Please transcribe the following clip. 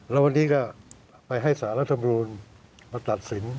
แล้ววันนี้ก็ไปให้สารรัฐมนูลมาตัดสิน